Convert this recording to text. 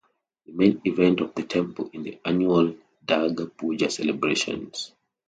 The main event of the temple is the annual Durga Puja celebrations.